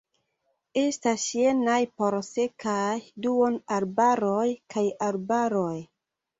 Estas jenaj por sekaj duonarbaroj kaj arbaroj.